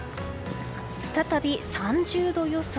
再び３０度予想。